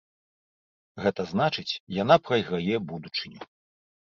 Гэта значыць, яна прайграе будучыню.